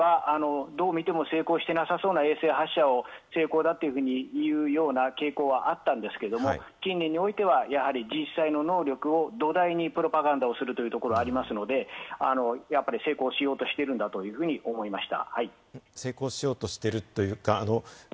北朝鮮としてはやっぱり、かつてはどう見ても成功しなさそうな衛星発射を成功だというような傾向があったんですけれども、近年においては、実際の能力を土台に、プロパガンダするということがありますので、成功しようとしているんだと思いました。